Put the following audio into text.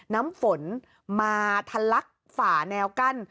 น้ำฝนมาทะลักฝ่าแนวกั้น